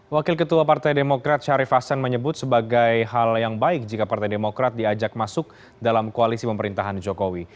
wakil ketua partai demokrat syarif hasan menyebut sebagai hal yang baik jika partai demokrat diajak masuk dalam koalisi pemerintahan jokowi